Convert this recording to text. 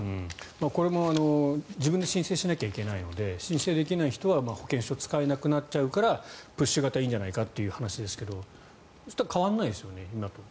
これも自分で申請しなきゃいけないので申請できない人は保険証を使えなくなってしまうからプッシュ型いいんじゃないかという話ですがそしたら変わらないですよね今と。